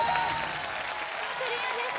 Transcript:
クリアです